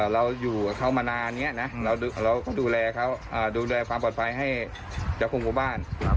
เราอยู่กับเขามานานนี้นะเราก็ดูแลเขาดูแลความปลอดภัยให้เจ้าของหมู่บ้าน